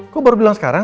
kok baru bilang sekarang